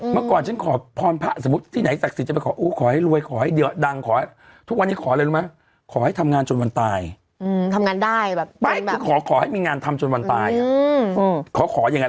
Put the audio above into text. เมื่อก่อนไงมันจะเฉานะคะใช่ค่ะ